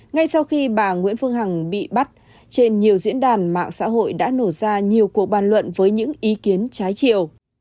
ngay sau khi bà nguyễn phương hằng bị bắt trên nhiều diễn đàn mạng xã hội đã nổ ra nhiều cuộc bàn luận với những ý kiến trái chiều